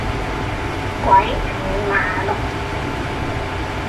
鬼五馬六